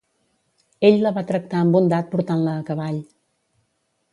Ell la va tractar amb bondat portant-la a cavall.